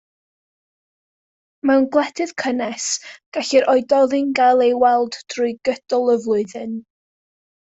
Mewn gwledydd cynnes, gall yr oedolyn gael ei weld drwy gydol y flwyddyn.